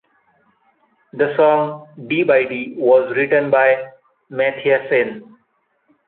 The song "D by D" was written by Mathiassen.